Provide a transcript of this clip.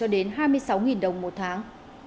đến hai mươi sáu đồng một tháng